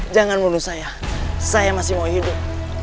jangan mulus saya saya masih mau hidup